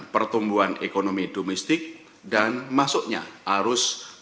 pertumbuhan ekonomi domestik dan masuknya arus